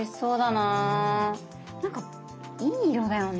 なんかいい色だよね。